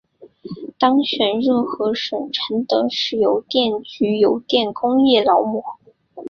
当选热河省承德市邮电局邮电工业劳模。